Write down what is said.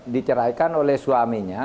diceraikan oleh suaminya